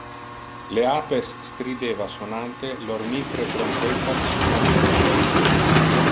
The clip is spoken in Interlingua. Le apes strideva sonante lor micre trompettas monotone.